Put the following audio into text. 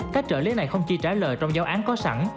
các trợ lý này không chỉ trả lời trong giáo án có sẵn